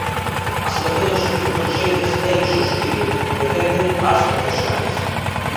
A situación do servizo de urxencias é "insostíbel", defenden as profesionais.